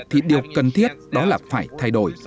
thì điều cần thiết đó là phải thay đổi